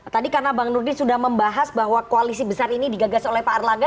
tadi karena bang nurdin sudah membahas bahwa koalisi besar ini digagas oleh pak erlangga